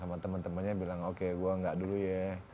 sama temen temennya bilang oke gue nggak dulu ya